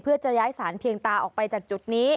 เพื่อจะย้ายสารเพียงตาออกไปจากจุดนี้